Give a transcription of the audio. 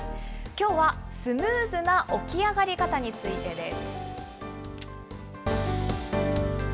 きょうはスムーズな起き上がり方についてです。